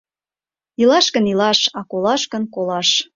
— Илаш гын — илаш, а колаш гын — колаш.